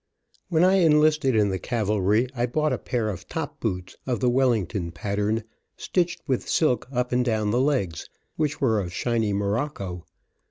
When I enlisted in the cavalry I bought a pair of top boots, of the Wellington pattern, stitched with silk up and down the legs, which were of shiny morocco.